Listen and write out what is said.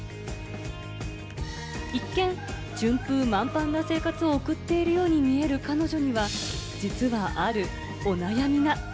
一見、順風満帆な生活を送っているように見える彼女には、実はあるお悩みが。